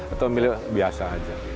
atau milip biasa aja